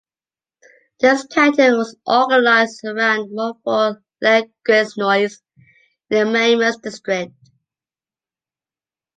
This canton was organized around Montfort-le-Gesnois, in the Mamers district.